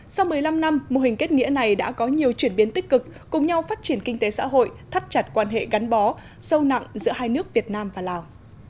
sau một mươi năm năm mô hình kết nghĩa này đã có nhiều chuyển biến tích cực cùng nhau phát triển kinh tế xã hội thắt chặt quan hệ gắn bó sâu nặng giữa hai nước việt nam và lào